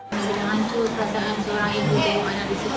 saya mengacu perasaan seorang ibu yang mana disiksa